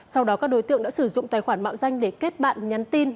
sau đó các đối tượng đã sử dụng tài khoản mạo danh để kết bạn nhắn tin